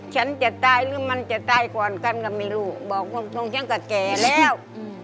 ฉันจะตายหรือมันจะตายก่อนกะผมก็ไม่รู้บอกว่าคงเพียงกับแกแล้ว